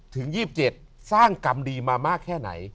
ถึง๒๗สร้างกรรมดีมามากแค่ไหน